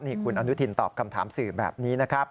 นี่คุณอนุทินตอบคำถามสื่อแบบนี้นะครับ